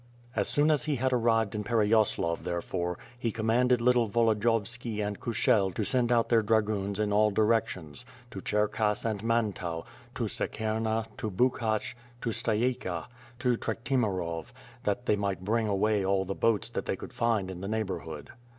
As soon as he had arrived in Pereyaslav, threfore, he com manded little Volodiyovski and Kushel to send out their dragoons in all directions; to (^herkass and Mantow, to Hye kerna, to Buchach, to Stayeiki, to Trechtimirov, that they might bring away all the boats that they could find in the neighborhod.